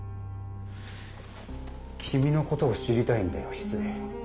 君のことを知りたいんだよ翡翠。